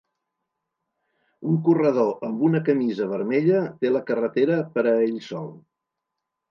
Un corredor amb una camisa vermella té la carretera per a ell sol.